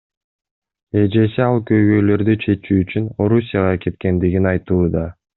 Эжеси ал көйгөйлөрдү чечүү үчүн Орусияга кеткендигин айтууда.